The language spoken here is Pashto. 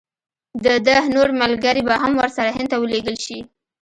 د ده نور ملګري به هم ورسره هند ته ولېږل شي.